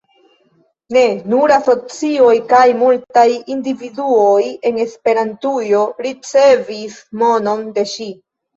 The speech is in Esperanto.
Ne nur asocioj kaj multaj individuoj en Esperantujo ricevis monon de ŝi.